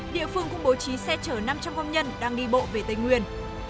địa phương cũng bố trí xe chở năm trăm linh công nhân đang đi bộ về tây nguyên